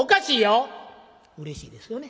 うれしいですよね。